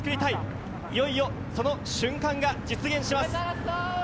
いよいよその瞬間が実現します。